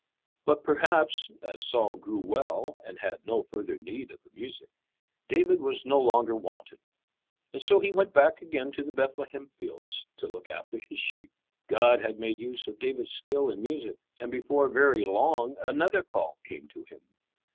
But perhaps, as Saul grew well and had no further need of the music, David was no longer wanted, and so he went back again to the Bethlehem fields to look after his sheep. God had made use of David's skill in music, and before very long another call came to him.